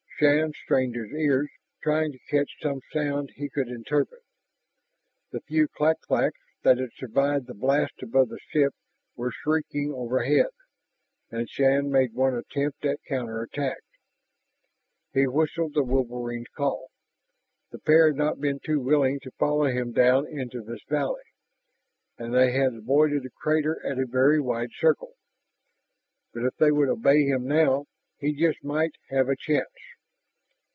Shann strained his ears, trying to catch some sound he could interpret. The few clak claks that had survived the blast about the ship were shrieking overhead, and Shann made one attempt at counterattack. He whistled the wolverines' call. The pair had not been too willing to follow him down into this valley, and they had avoided the crater at a very wide circle. But if they would obey him now, he just might have a chance.